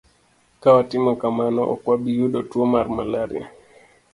Ka watimo kamano, ok wabi yudo tuo mar malaria.